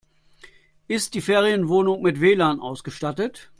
Ist die Ferienwohnung mit WLAN ausgestattet?